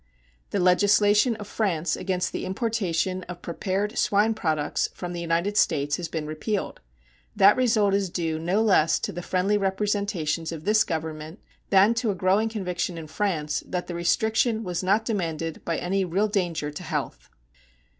The legislation of France against the importation of prepared swine products from the United States has been repealed. That result is due no less to the friendly representations of this Government than to a growing conviction in France that the restriction was not demanded by any real danger to health.